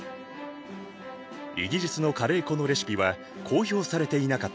イギリスのカレー粉のレシピは公表されていなかった。